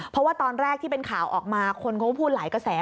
เพราะว่าตอนแรกที่เป็นข่าวออกมาคนเขาก็พูดหลายกระแส